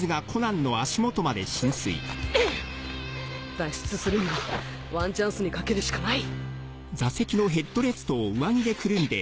脱出するにはワンチャンスに賭けるしかない